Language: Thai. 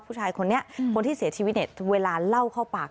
ผู้ชายคนนี้คนที่เสียชีวิตเนี่ยเวลาเล่าเข้าปาก